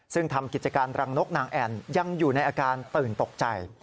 ซึ่งทำกิจการรังนกนางแอ่นยังอยู่ในอาการตื่นตกใจ